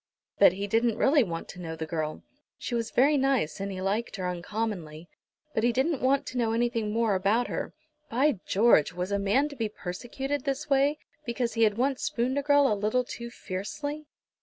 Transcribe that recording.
But he didn't really want to know the girl. She was very nice, and he liked her uncommonly, but he didn't want to know anything more about her. By George! Was a man to be persecuted this way, because he had once spooned a girl a little too fiercely?